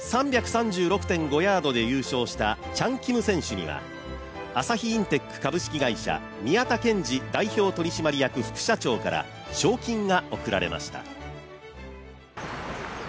３３６．５ヤードで優勝したチャン・キム選手には朝日インテック株式会社宮田憲次代表取締役副社長から賞金が贈られました。